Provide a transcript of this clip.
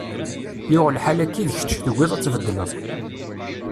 Yuɣ lḥal akka i d kečč, tugiḍ ad tbeddleḍ.